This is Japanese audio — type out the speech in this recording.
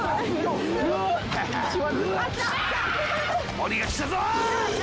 鬼が来たぞ！